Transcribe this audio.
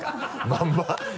まんま？